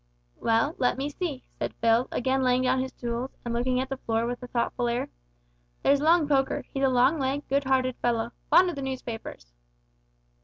"Well, let me see," said Phil, again laying down his tools, and looking at the floor with a thoughtful air, "there's Long Poker, he's a long legged, good hearted fellow fond o' the newspapers."